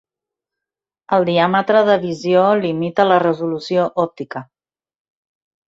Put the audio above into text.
El diàmetre de visió limita la resolució òptica.